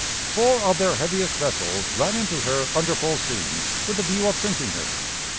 Four of their heaviest vessels ran into her under full steam with the view of sinking her.